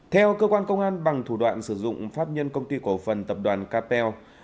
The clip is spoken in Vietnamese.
theo cơ quan công an bằng thủ đoạn sử dụng pháp nhân công ty cổ phần tập đoàn capel